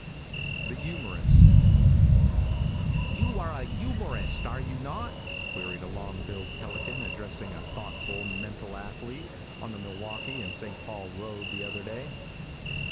THE YOUMORIST. |You are an youmorist, are you not?" queried a long billed pelican addressing a thoughtful, mental athlete, on the Milwaukee & St. Paul road the other day.